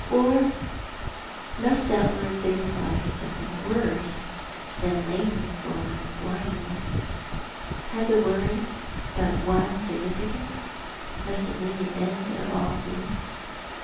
Or must that word signify something worse than lameness or blindness? Had the word but one significance ? Must it mean the end of all things?